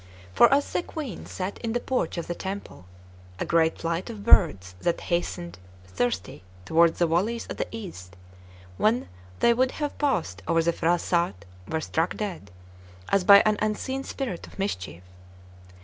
For as the Queen sat in the porch of the temple, a great flight of birds that hastened, thirsty, toward the valleys of the east, when they would have passed over the phrasat were struck dead, as by an unseen spirit of mischief.